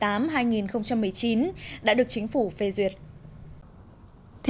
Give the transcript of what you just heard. theo tổ chức y tế thế giới tổ chức y tế thế giới đã phối hợp với tổ chức y tế thế giới